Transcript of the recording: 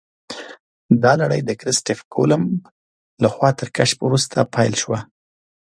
دا لړۍ د کریسټف کولمب لخوا تر کشف وروسته پیل شوه.